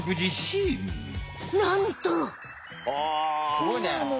すごいね。